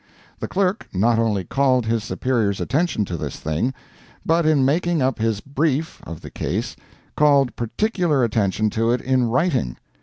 The clerk not only called his superior's attention to this thing, but in making up his brief of the case called particular attention to it in writing.